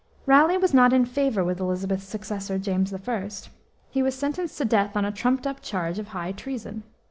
Raleigh was not in favor with Elizabeth's successor, James I. He was sentenced to death on a trumped up charge of high treason.